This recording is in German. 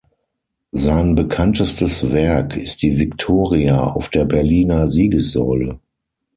Sein bekanntestes Werk ist die Viktoria auf der Berliner Siegessäule.